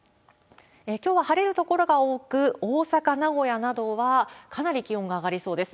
きょうは晴れる所が多く、大阪、名古屋などはかなり気温が上がりそうです。